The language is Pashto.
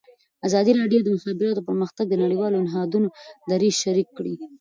ازادي راډیو د د مخابراتو پرمختګ د نړیوالو نهادونو دریځ شریک کړی.